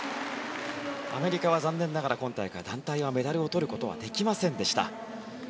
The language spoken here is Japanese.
アメリカは残念ながら今大会団体はメダルを取ることはできませんでした。